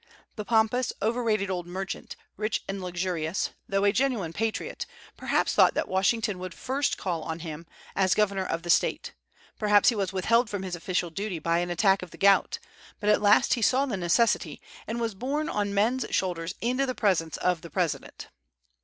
The pompous, overrated old merchant, rich and luxurious, though a genuine patriot, perhaps thought that Washington would first call on him, as governor of the State; perhaps he was withheld from his official duty by an attack of the gout; but at last he saw the necessity, and was borne on men's shoulders into the presence of the President.